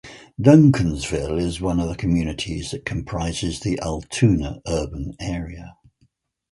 Duncansville is one of the communities that comprises the Altoona Urban Area.